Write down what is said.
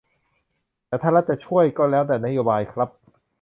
แต่ถ้ารัฐจะช่วย ก็แล้วแต่นโยบายครับ